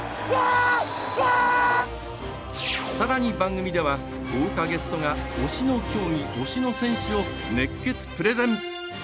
さらに、番組では豪華ゲストが推しの競技、推しの選手を熱血プレゼン。